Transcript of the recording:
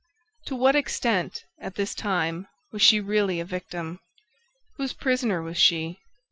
To what extent, at this time, was she really a victim? Whose prisoner was she?